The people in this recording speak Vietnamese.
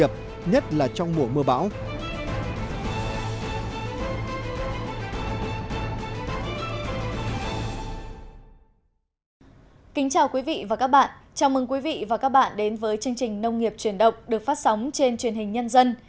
chào mừng quý vị và các bạn đến với chương trình nông nghiệp truyền động được phát sóng trên truyền hình nhân dân